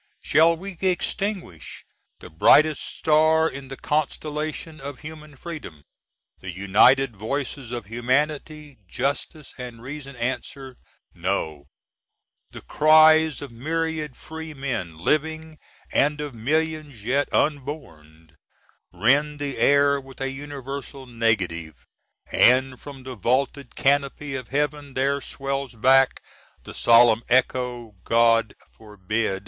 Shall we extinguish the brightest star in the constellation of human freedom? The united voices of Humanity, Justice, & Reason answer, No! The cries of myriad free men living, & of millions yet unborn, rend the air with a universal negative! and from the vaulted canopy of heaven there swells back the solemn echo, "_God forbid!